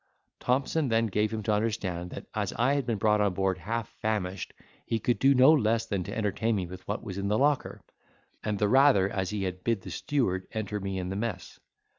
Thompson then gave him to understand, that, as I had been brought on board half famished, he could do no less than to entertain me with what was in the locker, and the rather as he had bid the steward enter me in the mess.